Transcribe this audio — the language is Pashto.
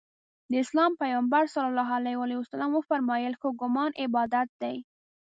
د اسلام پیغمبر ص وفرمایل ښه ګمان عبادت دی.